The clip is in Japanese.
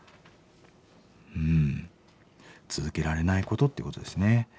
うん続けられないことってことですね。